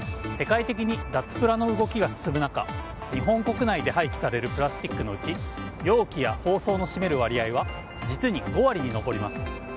世界的に脱プラの動きが進む中日本国内で廃棄されるプラスチックのうち容器や包装の占める割合は実に５割に上ります。